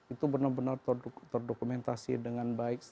itu benar benar terdokumentasi dengan baik